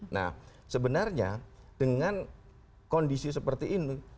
nah sebenarnya dengan kondisi seperti ini